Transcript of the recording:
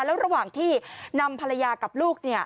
แล้วระหว่างที่นำภรรยากับลูก